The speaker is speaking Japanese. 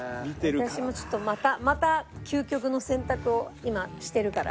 私もちょっとまたまた究極の選択を今してるから。